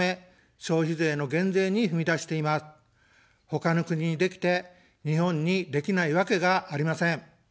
他の国にできて、日本にできないわけがありません。